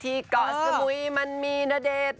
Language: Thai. เกาะสมุยมันมีณเดชน์